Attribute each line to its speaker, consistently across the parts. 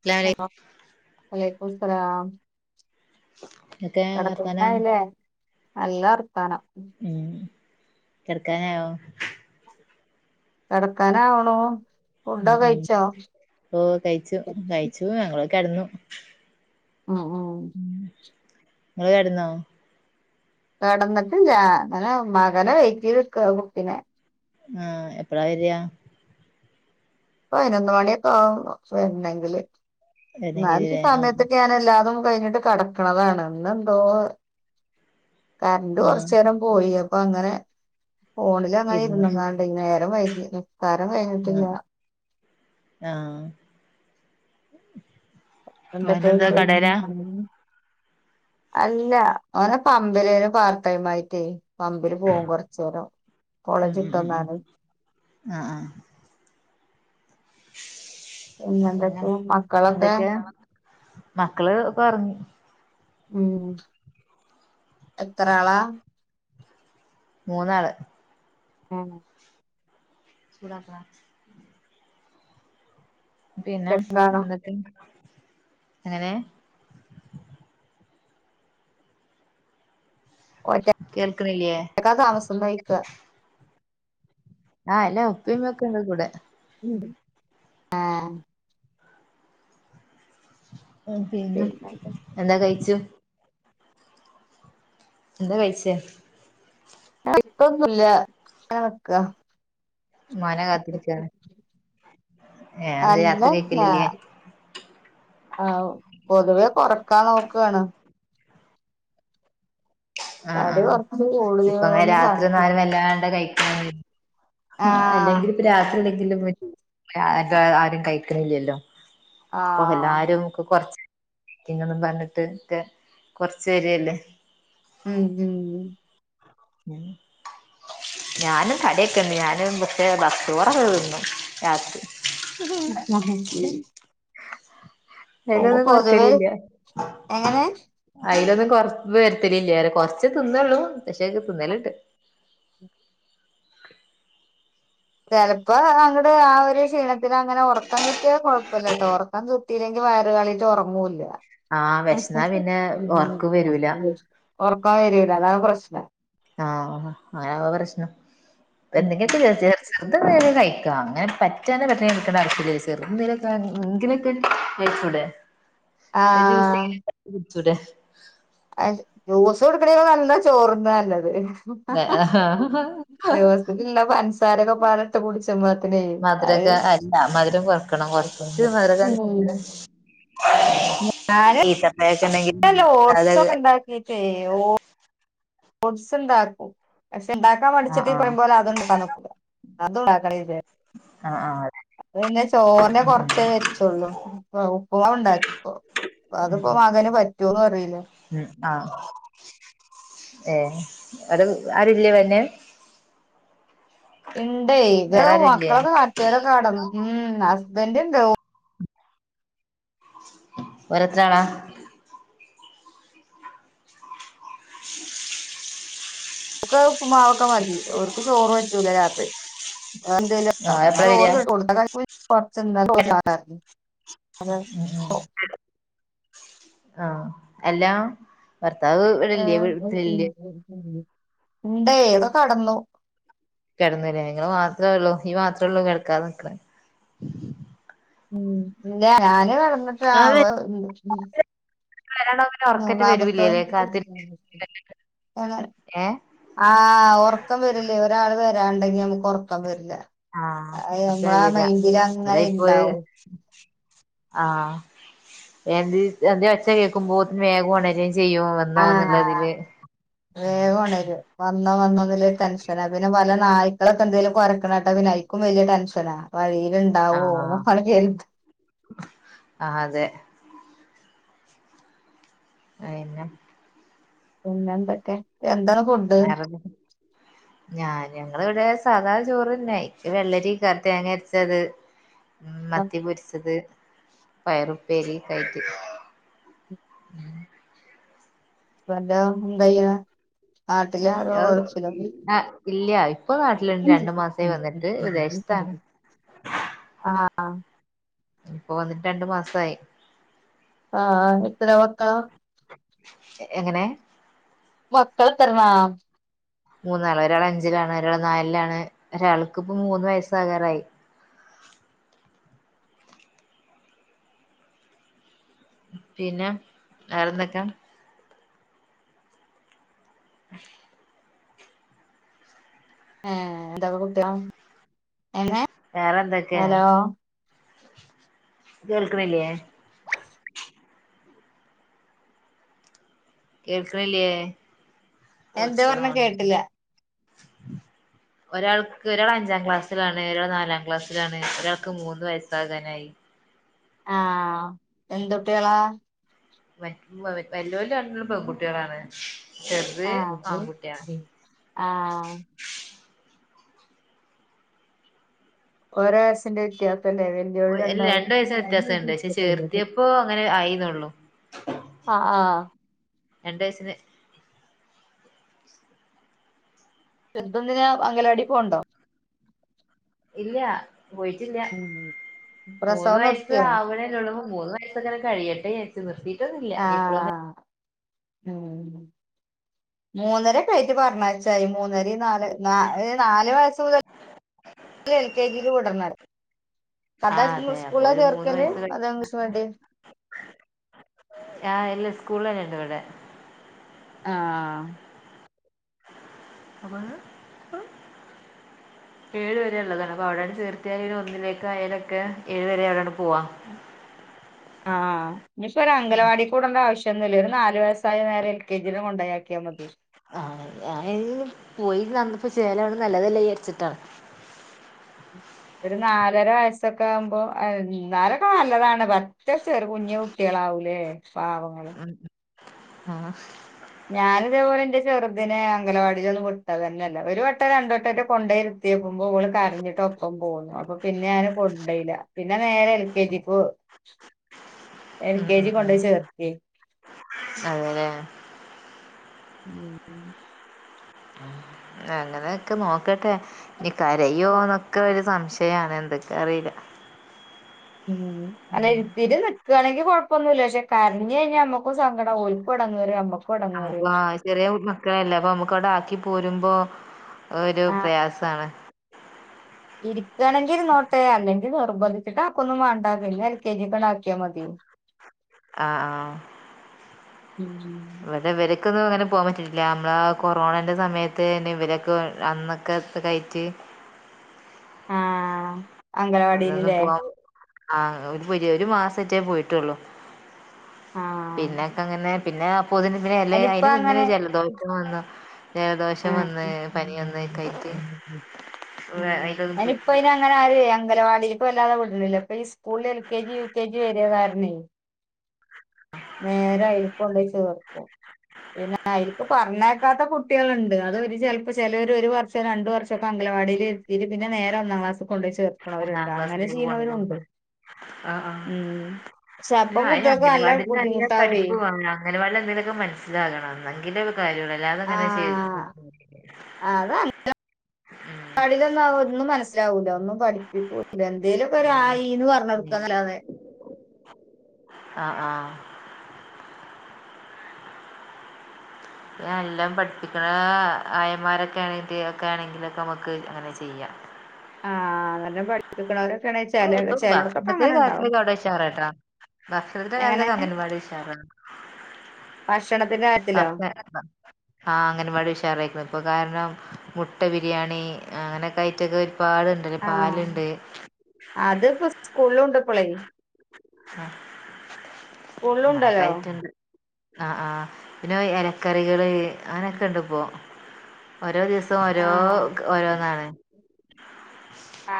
Speaker 1: അസ്സലാമു അലൈ
Speaker 2: ഹലോ വാലക്കും സലാം
Speaker 1: എന്തൊക്കെ വർത്താനം
Speaker 2: കിടപ്പന്നായില്ലേ നല്ല വർത്താനം
Speaker 1: ഉം കിടക്കാനായോ
Speaker 2: കിടക്കൻ ആവണു
Speaker 1: ഉം ഉം ഓ കഴിച്ചു കഴിച്ചു ഞങ്ങളൊ കിടന്നു
Speaker 2: ഉം ഉം
Speaker 1: നിങ്ങള് കിടന്നോ
Speaker 2: കിടന്നിട്ടില്ല ഇങ്ങനെ മകനെ വെയ്റ്റ് ചെയ്ത് നിക്കാ കുട്ടിനെ
Speaker 1: ആ എപ്പഴാ വരിയാ
Speaker 2: പതിനൊന്ന് മണിയൊക്കെ ആക്കും വരണെങ്കില് എന്നാൽ ഈ
Speaker 1: വരണെങ്കിലേ ആഹ്
Speaker 2: സമയത്തൊക്കെ ഞാൻ എല്ലാതും കഴിഞ്ഞിട്ട് കടക്കണതാണ് ഇന്ന് എന്തോ കറണ്ട്
Speaker 1: ആഹ്
Speaker 2: കൊറച്ച നേരം പോയി അപ്പൊ അങ്ങനെ ഫോണിൽ അങ്ങനെ
Speaker 1: ഇരുന്ന്
Speaker 2: ഇരുന്നന്നാണ്ട് ഇങ്ങ നേരം വൈകി അത്താഴം കഴിഞ്ഞിട്ടില്ല
Speaker 1: ആ
Speaker 2: എന്തൊക്ക [unintelligible] അല്ല ഓനെ പമ്പിലെരു പാർടൈമായിട്ടേ പമ്പില് പോകും കുറച്ച നേരം
Speaker 1: ഉം
Speaker 2: കോളേജ്
Speaker 1: ഉം ഉം ഉം
Speaker 2: വിട്ടന്നാല്
Speaker 1: ആഹ് പിന്നെ
Speaker 2: പിന്നെന്തൊക്കെ മക്കളൊക്കെ
Speaker 1: എന്തൊക്കെയാ മക്കള് പറഞ്ഞു
Speaker 2: ഉം എത്ര ആളാ
Speaker 1: മൂന്നാള്
Speaker 2: ആ
Speaker 1: [unintelligible] പിന്നെ
Speaker 2: എന്താണ്
Speaker 1: എന്തൊക്കെ എങ്ങനെ കേൾക്കണില്ലേ
Speaker 2: ഓറ്റക്കാ താമസം ന്നോയ്ക്കാ
Speaker 1: ആ അല്ല ഉപ്പേം ഉമ്മേം ഒക്കെ ണ്ട് കൂടെ
Speaker 2: ഉം ആ
Speaker 1: ആ പിന്നെ എന്താ കഴിച്ചു എന്താ കഴിച്ചേ
Speaker 2: ഇപ്പൊന്നുല്ല കടക്കാ
Speaker 1: മ്മാനെ കാത്തിരിക്കാണ് ഏ അതെന്തേ രാത്രി
Speaker 2: അല്ലല്ല
Speaker 1: കഴിക്കലില്ലേ
Speaker 2: ആ പൊതുവെ കൊറക്കാൻ നോക്കാണ്
Speaker 1: ആ ആ
Speaker 2: തടി കൊറച്ച്
Speaker 1: ഇപ്പൊ അങ്ങനെ
Speaker 2: കൂടുതലോന്ന്
Speaker 1: രാത്രി
Speaker 2: സംശയം
Speaker 1: ന്നാരും വല്ലാണ്ടെ കഴി ആ
Speaker 2: ആഹ്
Speaker 1: അല്ലെങ്കിൽ ഇപ്പം രാത്രില്ലെ ആരും കഴിക്കണില്ലല്ലോ അപ്പൊ
Speaker 2: ആഹ്
Speaker 1: എല്ലാരും ഒക്കെ കൊറച്ച് [unintelligible] പറഞ്ഞിട്ട് കൊറച്ചരല്ലേ
Speaker 2: ഉം ഉം
Speaker 1: ഉം ഞാനും തടിയൊക്കെ ണ്ട് ഞാനും പക്ഷെ ചോറൊക്കെ തിന്നും രാത്രി
Speaker 2: എനിക്ക്
Speaker 1: അയ്ലൊന്നും
Speaker 2: പൊതുവേ
Speaker 1: കൊറക്കലില്ല
Speaker 2: എങ്ങനെ
Speaker 1: അയ്ലൊന്നും കൊറവ് വരുത്തലില്ല്യാ കൊറച്ച് തിന്നൊള്ളൂ പക്ഷേങ്കിൽ തിന്നല്ണ്ട്
Speaker 2: ചെലപ്പോ അങ്ങട് ആ ഒരു ക്ഷീണത്തിലങ്ങനെ ഉറക്കം കിട്ടിയാ കൊഴപ്പല്ലട്ടോ ഉറ ക്കം കിട്ടിയില്ലെങ്കി വയറ് കാളീട്ട് ഉറങ്ങൂല്ല
Speaker 1: ആഹ് വിശന്നാ പിന്നെ ഒറക്കം വരൂല
Speaker 2: ഉറക്കം വരൂല അതാണ് പ്രശ്നം
Speaker 1: ആ ആ അങ്ങനാവുമ്പോ പ്രശനം പ്പ എന്തെങ്കിലൊക്കെ [unintelligible] ചെറുത് എന്തെങ്കിലൊക്കെ കഴിക്കാ അങ്ങനെ പറ്റനെ പട്ടിണി കെടക്കണ്ട ആവശ്യല്ല ചെറുത് എന്തെങ്കിലൊക്കെ ങ്കിലൊക്കെ ചൂടെ ജൂസെങ്കിലും ഇണ്ടാക്കി കുടിച്ചൂടെ
Speaker 2: അയ് ജ്യൂസ് കുടിക്കണെക്കാളും നല്ലതാ ചോറ്ന്നാ നല്ലത് ദിവസത്തിൽ ഇള്ള പൻസാരൊക്കെ പാടെ ഇട്ട് കുടിച്ചുമ്മ
Speaker 1: മധുരൊക്കെ അല്ല മധുരം കൊറക്കണം കൊറച്ച് മധുര
Speaker 2: ഉം
Speaker 1: ഈത്തപ്പഴം
Speaker 2: ലോ ഓട്സ് ഒക്കെ ഇണ്ടാക്കിട്ടെ ഓ ഓട്സ് ണ്ടാക്കും പക്ഷെ ഇണ്ടാക്കാൻ മടിച്ചിട്ട്
Speaker 1: ആഹ്
Speaker 2: പറിം പോലെ അതും ണ്ടാക്കാതക്കും അതുണ്ടാക്കണേ വിചാരി
Speaker 1: ആ ആ
Speaker 2: അപ്പ പിന്നെ ചോറിനെ കൊറച്ചേ വെച്ചുള്ളൂ ഉപ്പുമാവ് ഉണ്ടാക്കി ഇപ്പൊ അപ്പൊ അതിപ്പോ മകന് പറ്റൊന്നറീല്ല
Speaker 1: ആ ഏ അരും ആരുല്ലേ പിന്നെ
Speaker 2: ഇണ്ടേ ഇവടെ മക്കളൊക്കെ കടത്തിയൊരൊക്കെ കടന്നു ഉം ഹസ്ബൻഡ്ണ്ട്
Speaker 1: ഒരേത്രാളാ
Speaker 2: ഓര്ക്കു ഉപ്പ്മാവൊക്കെ മതി ഓർക്ക് ചോറ് പറ്റൂല രാത്രി
Speaker 1: ഓരെപ്പളാ വരാ
Speaker 2: [unintelligible]
Speaker 1: ഉം ഉം ആ എല്ലാ ഭർത്താവ് ഇവടല്ലേ വീട്ടിലില്ലേ?
Speaker 2: ഉണ്ടേ അത് കടന്നു.
Speaker 1: കിടന്ന്ല്ലേ നിങ്ങള് മാത്രേള്ളൂ നീ മാത്രേള്ളൂ കിടക്കാതെ നിക്ക
Speaker 2: ഉം ഇല്ല ഞാന് കിടന്നിട്ടില്ല
Speaker 1: അത്
Speaker 2: വെർ
Speaker 1: വരാണ്ടാവുമ്പോ ഒറക്കറ്റ്
Speaker 2: മൂന്നാമത്തൊൻ
Speaker 1: വരൂല്ലേല്ലേ കാത്തിരിക്ക
Speaker 2: നെ
Speaker 1: ഏഹ്
Speaker 2: ആ ആ ഉറക്കം വരില്ലേ ഒരാള് വരാണ്ടെങ്കി നമുക്ക് ഉറക്കം വരില്ല
Speaker 1: ആ
Speaker 2: അത്
Speaker 1: ഉറക്കം
Speaker 2: നമ്മളെ
Speaker 1: വരൂല
Speaker 2: മൈൻഡില്
Speaker 1: ഇവിടെ
Speaker 2: അങ്ങനെ
Speaker 1: ഇപ്പൊ
Speaker 2: ഇണ്ടാവും
Speaker 1: ആ എന്ത് എന്തേഒച്ച കേക്കുമ്പോത്തിനു വേഗം ഉണരെ ച്ചെ ചെയ്യോ
Speaker 2: ആഹ്
Speaker 1: വന്നോന്നുള്ളതില്
Speaker 2: വന്നൊ വന്നൊ ഉള്ള ടെൻഷനാ പിന്നെ പല നായ്ക്കളൊക്കെ എന്തെിലും കൊറരക്ക് ണെ കേട്ടാ പിന്നെ ഇക്കും വല്യ ടെൻഷനാ വഴിയിൽ ഉണ്ടാവോ അപ്പാടങ് കേറീട്ട്
Speaker 1: ആ അതെ അയെന്ന
Speaker 2: പിന്നെ എന്തൊക്കെ? എന്താണ് ഫുഡ്
Speaker 1: ആരത്‌ ഞാഞാ ഞങ്ങള് ഇവിടെ സാധാ ചോറ്ന്നെ ഇക്ക് വെള്ളരി തേങ്ങ അര്ച്ചത് ഉം മത്തി പൊരിച്ചത് പയറുപ്പേരി കയിറ്റ്
Speaker 2: ഹസ്ബൻഡോ എന്താചെയ്യണെ? നാട്ടിലോ അതോ
Speaker 1: അത്
Speaker 2: ഗൾഫിലോ?
Speaker 1: ആ ഇല്ല ഇപ്പൊ നാട്ടില്ണ്ട് രണ്ടു മാസായ് വന്നിട്ട് വിദേശത്താ
Speaker 2: ആ
Speaker 1: ഇപ്പൊ വന്നിട്ട് രണ്ടു മാസായി
Speaker 2: ആ എത്ര മക്കളാ
Speaker 1: എങ്ങനെ
Speaker 2: മക്കൾ എത്രണ്ണാ?
Speaker 1: മൂന്നാള് ഒരാള് അഞ്ചിലാണ് ഒരാള് നാലിലാണ് ഒരാൾക്കിപ്പോ പ്പ മൂന്ന് വയസ്സാകാറായി പിന്നെ വേറെന്തൊക്കെ
Speaker 2: ആഹ് എതൊക്കെ കുട്ട്യാളാ
Speaker 1: വേറെ എന്തൊക്കെ കേൾക്ക്ണില്ലേ കേൾക്ക്ണില്ലേയേ
Speaker 2: എന്താ പറഞ്ഞെ കേട്ടില്ല
Speaker 1: ഒരാൾക്ക് ഒരാള് അഞ്ചാം ക്ലാസ്സിലാണ് ഒരാള് നാലാം ക്ലാസ്സിലാണ് ഒരാൾക്ക് മൂന്ന് വയസ്സാകാനായി
Speaker 2: ആ എന്തു ട്ടികളാ
Speaker 1: മറ്റ് വല്യോല് രണ്ടാളും പെൺകുട്ടികളാണ് ചെറുത്
Speaker 2: ആഹ്
Speaker 1: ആൺകുട്ട്യാ
Speaker 2: ആഹ് ഓരോ വയസിന്റെ വിത്യാ
Speaker 1: ഒര് ല്ല രണ്ടു വയസ്സിന്റെ വ്യത്യാസണ്ട് പക്ഷെ ചേർത്തിയപ്പോ അങ്ങനെ ആയിന്നൊള്ളു
Speaker 2: ആഹ് ആഹ്
Speaker 1: രണ്ട് വയസിന്
Speaker 2: ചേരുത് എന്തിനാ അംഗലവാടി പോവു ണ്ടോ
Speaker 1: ഇല്ല പോയിട്ടില്ല
Speaker 2: ഉം
Speaker 1: മൂന്ന്
Speaker 2: പ്രസവം
Speaker 1: വയസ്
Speaker 2: നിർത്തിയോ
Speaker 1: ആവണേയൊള്ളൂ മൂന്ന് വയസ്സങ്ങനെ കഴിയട്ടെ വിചാരിച്ചു നിർത്തിയിട്ടൊന്നില്ല ഇനി ഇപ്പോലൊന്ന്
Speaker 2: മൂന്നരക്കായിട്ട് പറഞ്ഞയച്ചാതി മൂന്നര നാല് ന നാല് വയസ് മുതൽ ല് എൽ കെ ജിയില് വിടണെന്നു
Speaker 1: ആ
Speaker 2: സാദാ
Speaker 1: അതെ അപ്പൊ
Speaker 2: സ്കൂളാ
Speaker 1: ഒരു മൂന്ന്
Speaker 2: ചേർക്കല്
Speaker 1: വയസ്സ് കഴി
Speaker 2: അതോ ഇംഗ്ലീഷ് മീഡിയൊ
Speaker 1: ആ ഇല്ലേ സ്കൂളിൽ തന്നെണ്ട് ഇവിടെ
Speaker 2: ആ
Speaker 1: അതെ പ്പോ ഏഴു വരെ ഉള്ളതാണ് അപ്പോ അവിടെണ് ചേർത്തിയാല് ഒരു ഒന്നിലേക്കക്ക് ആ യലൊക്കെ ഏഴു വരെ അവിടൊണ് പോവാ
Speaker 2: ആ ഇനിയിപ്പോ ഒരു അംഗലവാടി വി ടേണ്ട ആവശ്യം ഒന്നുല്ല ഒരു നാല് വയസ്സായ നേരെ എൽ കെ ജിയില് കൊണ്ടയാക്കിയാ മതി
Speaker 1: ആ ഞാൻ പോയിന്നന്ന് അപ്പൊ ചേലാവ്ണ് നല്ലതല്ലേ വിചരിച്ചിട്ടാണ്
Speaker 2: ഒരു നാലര വയസ്സൊക്കെ ആകുമ്പോ എന്നാലൊക്കെ നല്ലതാണ് പക്ഷേ ചെറു കുഞ്ഞു കുട്ടികൾക്ക് ഉണ്ടാവൂലേ പാവങ്ങള്
Speaker 1: ആ
Speaker 2: ഞാൻ ഇതേപോലെ എന്റെ ചെറുതിനെ അംഗനവാടി ലൊന്നും വിട്ടതല്ല, തന്നല്ല ഒരു വട്ടം രണ്ടുവട്ടമൊക്കെ കൊണ്ട് പോയി എത്തിക്കുമ്പോ അവള് കരഞ്ഞിട്ട് ഒപ്പം പോന്നു, അപ്പൊ പിന്നെ ഞൻ കൊണ്ട് പോയില്ല പിന്നെ നേരെ എൽ, കെ, ജി ലോട്ട് എൽ കെ ജി കൊണ്ടപോയി ചേർത്തെ.
Speaker 1: അതല്ലേ
Speaker 2: ഉം
Speaker 1: അങ്ങനെയൊക്കെ നോക്കട്ടെ, ഇനി കരയോന്നൊക്കെ ഒരു സംശയാണ്. അറിയില്ല
Speaker 2: ഉം, എൽ,
Speaker 1: ഉം
Speaker 2: കെ, ജി നിക്കുകയാണെങ്കിൽ കൊഴപ്പൊന്നു ഇല്ല, പക്ഷെ കരഞ്ഞ് കഴിഞ്ഞാ നമ്മുക്ക് സങ്കടം ആവും ഉം
Speaker 1: നമുക്ക് ചെറിയ ഒരുരു മക്കളല്ലേ അപ്പൊ നമ്മുക്ക് അവിടെ ആക്കി പോരുമ്പോ ഒരു പ്രയാസാണ്
Speaker 2: ഇരിക്കയാണെങ്കിൽ ഇരുന്നോട്ടെ, അല്ലെങ്കിൽ നിർബന്ധിച്ചിട്ട് ആക്കൊന്നും വേണ്ടാ പിന്നെ എൽ കെ ജി ലോട്ട് ആക്കിയാ മതി. [unintelligible]
Speaker 1: ആ, ആ
Speaker 2: ഉം
Speaker 1: നമുക്കൊന്നും അങ്ങനെ പോകാൻ പറ്റിട്ടില്ല, നമ്മള് കൊറോണന്റെ സമയത്തന്നെ ഇവരൊക്കെ അന്നൊക്കെ കഴ്
Speaker 2: [unintelligible] അംഗനവാടിയിലില്ലേ
Speaker 1: ആ, ഒരു ഒരു മാസറ്റേ പോയിട്ടുള്ളു
Speaker 2: ആഹ്
Speaker 1: പിന്നക്കെ അങ്ങനെ പിന്നെ അപ്പോതിന്
Speaker 2: അയിനിപ്പ
Speaker 1: അതിന്
Speaker 2: അങ്ങനെ
Speaker 1: മുന്നേ ജലദോഷം വന്നു, ജലദോഷം വന്ന് പനി വന്ന് കയറ്റ
Speaker 2: അയ്നിപ്പോ
Speaker 1: പോയിട്ടില്ല
Speaker 2: ഇതി അങ്ങനെ ആരു അംഗനവാടി ഇപ്പൊ വല്ലാതെ വിട്ണില്ല. ഈ സ്കൂളിൽ L K G, U K G വര കാര്ണെ നേരെ അയികൊണ്ട് ചേർക്കും. പിന്നെ അയിൽക്ക് പറഞ്ഞേക്കാത്ത കുട്ട്യാള്ണ്ട്. അത് ചെൽപ്പോ ചേലോലല് ഒരു വർഷം രണ്ട് വർഷമൊക്കെ അ അംഗനവാടിയിൽ ഇരുത്തിയിട്ട് പിന്നെ നേരെ ഒന്നാം ക്ലാസ്സി കൊണ്ടോയി
Speaker 1: ഒന്നാം
Speaker 2: ചേർക്ക്ണവര്ണ്ട്. അങ്ങനെ
Speaker 1: ക്ലാസ്സിലേക്ക്
Speaker 2: ചെയ്യുന്നവരുണ്ട്.
Speaker 1: പോണതുണ്ട്
Speaker 2: ഉം പക്ഷെ അപ്പം
Speaker 1: അയിന്
Speaker 2: കുട്ടികൾക്ക് നല്ല
Speaker 1: അംഗനവാടിലല്ല
Speaker 2: ബുദ്ധിമുട്ടാവേ
Speaker 1: പഠിപ്പു, അംഗനവാടില് എന്തേലൊക്കെ മ മനസ്സിലാകണം ഇന്നെൻങ്കിലെ ഒരു കാര്യം ഉള്ളു. അല്ലാതെ അങ്ങനെ
Speaker 2: അതാ. വാടിയിലൊന്നും ഒന്നും മനസ്സിലാവൂല്ല, ഒന്നും പഠിപ്പിക്കുല്ല. എന്തേലൊക്കെ ഒരു ആ, ഈ എന്ന് പർഞ്ഞ് കൊടുക്കുന്നല്ലാതെ
Speaker 1: ആ, ആ എല്ലാം പഠിപ്പിക്കണ ആയ മാരൊക്കെ ആണെങ്കി, ഒക്കെ ആണെങ്കിലൊക്കെ നമുക്ക് അങ്ങനെ ചെയ്യാം.
Speaker 2: ആ അങ്ങെനെ പഠിപ്പിക്കണവരെ
Speaker 1: ഇപ്പം, [unintelligible] കാര്യങ്ങളൊക്കെ അവിടെ ഉഷാറാ ട്ടാ ഭക്ഷണത്തിന്റെ
Speaker 2: എങ്ങനെ
Speaker 1: കര്യത്തൊക്കെ അംഗനവാടി ഉഷാറാണ്
Speaker 2: ഭക്ഷണത്തിന്റെ കാര്യത്തിലോ
Speaker 1: ആ, അംഗനവാടി ഉഷാറായിപ്പോയി, ഇപ്പൊ കാരണം മുട്ട ബിരിയാണി അങ്ങനെയൊക്കെ ആയിട്ടൊക്കെ പാലുണ്ട്,
Speaker 2: ആഹ്
Speaker 1: പാല്ണ്ട്.
Speaker 2: അതിപ്പോ സ്കൂളിലും ഉണ്ട് ഇപ്പളേ
Speaker 1: ആ
Speaker 2: സ്കൂളിലും ഉണ്ടല്ലോ
Speaker 1: ആ ആ, പിന്നെ ഇലക്കറികള് അങ്ങനൊക്കെ ഉണ്ട്, ഇപ്പോ ഓരോ ദിവസ ദിവസം ഓരോ
Speaker 2: ആഹ്
Speaker 1: ഓരോന്നാണ്
Speaker 2: ആ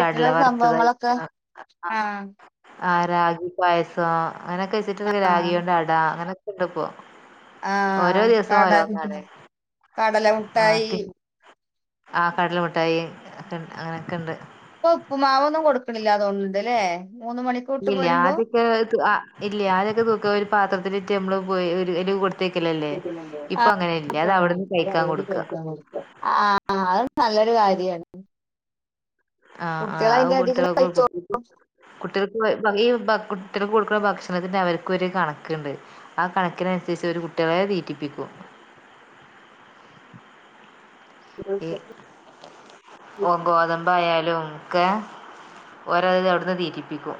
Speaker 1: കടല വറുത്തതായി
Speaker 2: സംഭവങ്ങളൊക്കെ
Speaker 1: [unintelligible]
Speaker 2: ആഹ്
Speaker 1: ആ റാഗി പായസം അങ്ങനൊക്കെ വെച്ചിട്ട്,
Speaker 2: ആഹ്
Speaker 1: രാഗിയോണ്ട് അട അങ്ങനെയൊക്കെ ഇണ്ട് ഇപ്പോ. ഓരോ
Speaker 2: ആഹ്
Speaker 1: ദിവസം
Speaker 2: കട
Speaker 1: ഓരോന്നാണ്
Speaker 2: കടല
Speaker 1: ആ
Speaker 2: മുട്ടായി
Speaker 1: തി ആ കടല മുഠായി ഒക്കെ അങ്ങനെയക്കെ ണ്ട്.
Speaker 2: ഇപ്പ ഉപ്പുമാവൊന്നും കൊടുക്കണില്ല തോന്ന്ണ്ട് ല്ലേ മൂന്ന് മണിക്കൂട്ട്
Speaker 1: ഇല്ലല്ല
Speaker 2: വരുമ്പോ
Speaker 1: ആതൊക്കെ ഇല്ല ആതൊക്കെ തൂക്ക ഒരു പാത്രത്തിലിട്ട് നമ്മള് പോയി ഒരു കൊ ല്ലേ ഇപ്പൊ അങ്ങന
Speaker 2: അത നല്ലൊരു കാര്യാണ്.
Speaker 1: ആഹ ആ
Speaker 2: കുട്ടികൾ
Speaker 1: ആ
Speaker 2: അതിന്റെ
Speaker 1: കുട്ട
Speaker 2: അടിയിൽ
Speaker 1: കുട്ട
Speaker 2: കഴിച്ചോളും
Speaker 1: കുട്ടിക ഈ കുട്ടിക കൊടുക്കുന്ന ഭക്ഷണത്തിന്റെ അവർക്ക് ഒരു കണക്ക്ണ്ട്. ആ കണക്കിനനുസരിച്ച് ഒരു കുട്ട്യാളെ തീറ്റിപ്പിക്കൂ
Speaker 2: അം [unintelligible]
Speaker 1: ഈ ഓ ഗോതമ്പ യാലും ഒക്കെ ഓരോത് അവ്ടുന്ന് തീറ്റിപ്പിക്കും.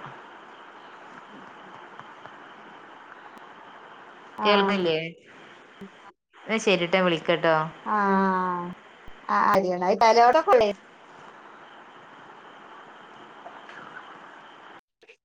Speaker 2: ആ
Speaker 1: കേൾക്കുന്നില്ലേ എന്ന ശരിട്ടാ വിളിക്ക
Speaker 2: ആഹ ആ അ [unintelligible] ഉ [unintelligible]